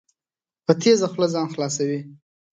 په تېزه خوله ځان خلاصوي.